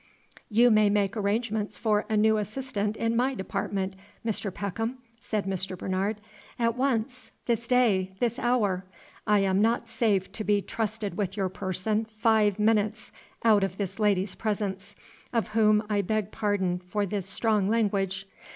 "You may make arrangements for a new assistant in my department, Mr. Peckham," said Mr. Bernard, "at once, this day, this hour. I am not safe to be trusted with your person five minutes out of this lady's presence, of whom I beg pardon for this strong language.